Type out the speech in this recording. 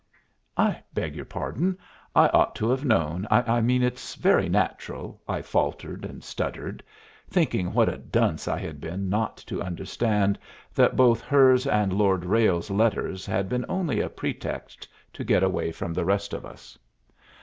"I beg your pardon, I ought to have known; I mean, it's very natural," I faltered and stuttered, thinking what a dunce I had been not to understand that both hers and Lord Ralles's letters had been only a pretext to get away from the rest of us.